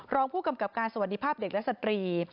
รองผู้กำกับการสวัสดีภาพเด็กและสตรี